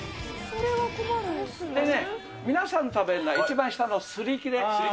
皆さん食べるのは、一番下のすり切れ。